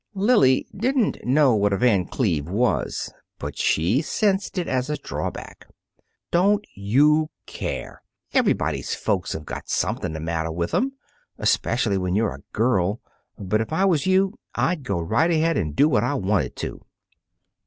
Lily didn't know what a Van Cleve was, but she sensed it as a drawback. "Don't you care. Everybody's folks have got something the matter with 'em. Especially when you're a girl. But if I was you, I'd go right ahead and do what I wanted to."